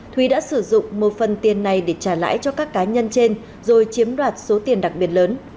thúy đã sử dụng một phần tiền này để trả lãi cho các cá nhân trên rồi chiếm đoạt số tiền đặc biệt lớn